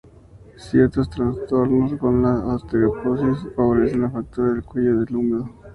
Ciertos trastornos como la osteoporosis favorecen la fractura del cuello del húmero.